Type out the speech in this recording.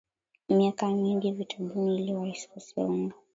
Miaka mingi vitabuni, ili wasikose unga,